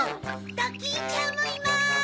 ドキンちゃんもいます！